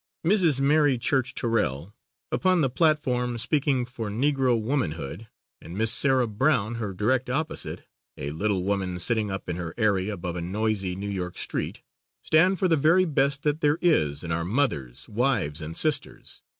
Mrs. Mary Church Terrell upon the platform speaking for Negro womanhood and Miss Sarah Brown, her direct opposite, a little woman sitting up in her aerie above a noisy New York street, stand for the very best that there is in our mothers, wives and sisters.